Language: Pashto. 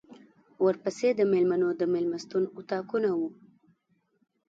ورپسې د مېلمنو د مېلمستون اطاقونه وو.